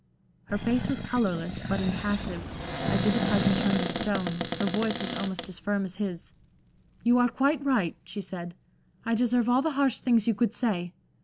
Her face was colorless, but impassive, as if it had been turned to stone, her voice was almost as firm as his. "You are quite right," she said. "I deserve all the harsh things you could say.